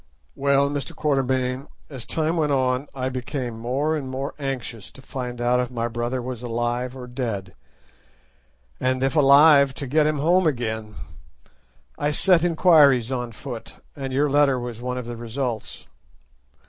"Well, Mr. Quatermain, as time went on I became more and more anxious to find out if my brother was alive or dead, and if alive to get him home again. I set enquiries on foot, and your letter was one of the results.